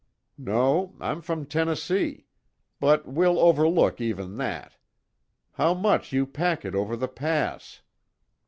"No I'm from Tennessee. But we'll overlook even that. How much you pack it over the pass."